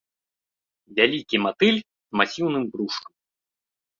Вялікі матыль з масіўным брушкам.